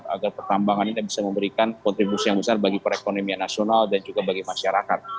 agar pertambangan ini bisa memberikan kontribusi yang besar bagi perekonomian nasional dan juga bagi masyarakat